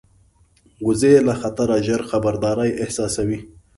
وزې له خطره ژر خبرداری احساسوي